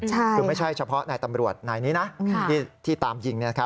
คือไม่ใช่เฉพาะนายตำรวจนายนี้นะที่ตามยิง